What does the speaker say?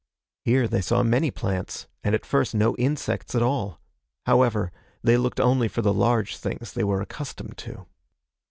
Here they saw many plants, and at first no insects at all. However, they looked only for the large things they were accustomed to.